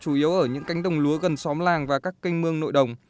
chủ yếu ở những cánh đồng lúa gần xóm làng và các kênh mương nội đồng